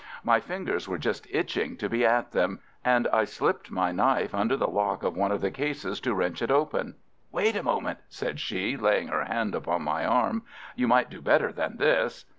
My fingers were just itching to be at them, and I slipped my knife under the lock of one of the cases to wrench it open. "Wait a moment," said she, laying her hand upon my arm. "You might do better than this."